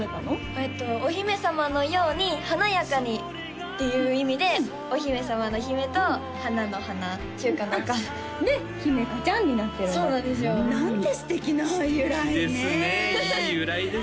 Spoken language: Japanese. えっとお姫様のように華やかにっていう意味でお姫様の姫と華の華中華の華で姫華ちゃんになってるんだそうなんですよなんて素敵な由来素敵ですねいい由来ですね